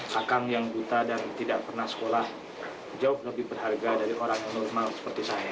hakang yang buta dan tidak pernah sekolah jauh lebih berharga dari orang normal seperti saya